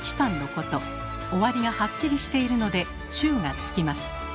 終わりがハッキリしているので「中」がつきます。